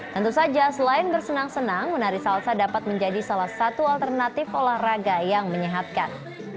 tentu saja selain bersenang senang menari salsa dapat menjadi salah satu alternatif olahraga yang menyehatkan